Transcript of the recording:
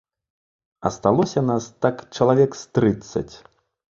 Асталося нас так чалавек з трыццаць.